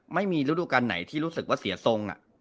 ไม่มีตอนนี้ที่รู้สึกว่าเสียทรงอะ